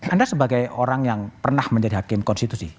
anda sebagai orang yang pernah menjadi hakim konstitusi